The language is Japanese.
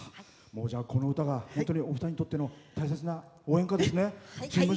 この歌が本当に、お二人にとっての大切な応援歌ですね。